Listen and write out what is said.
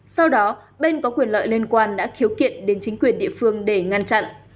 sau đó bên có quyền lợi liên quan đã khiếu kiện đến chính quyền địa phương để ngăn chặn